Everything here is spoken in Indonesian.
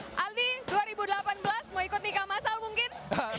aldi dua ribu delapan belas mau ikut nikah masal mungkin